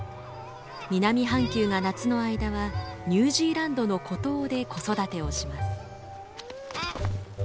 南半球が夏の間はニュージーランドの孤島で子育てをします。